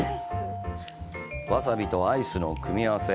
わさびとアイスの組み合わせ。